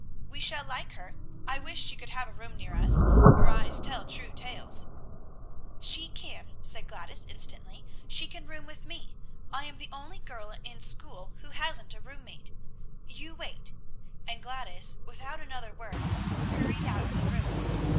"We shall like her. I wish she could have a room near us. Her eyes tell true tales." "She can," said Gladys instantly. "She can room with me. I am the only girl in school who hasn't a room mate. You wait" and Gladys, without another word, hurried out of the room.